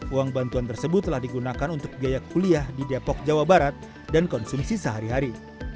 uang bantuan tersebut telah digunakan untuk biaya kuliah di depok jawa barat dan konsumsi sehari hari